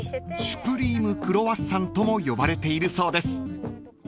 ［シュプリームクロワッサンとも呼ばれているそうです］